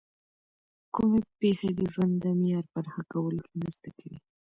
کومې پېښې د ژوند د معیار په ښه کولو کي مرسته کوي؟